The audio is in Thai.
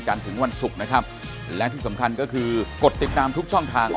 ถ้าพูดกันขนาดนี้เราอย่าถือว่าเป็นความขัดแย้ง